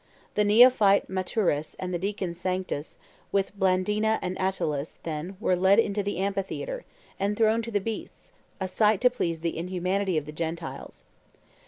The neophyte Maturus and the deacon Sanctus, with Blandina and Attalus, then, were led into the amphitheatre, and thrown to the beasts, as a sight to please the inhumanity of the Gentiles.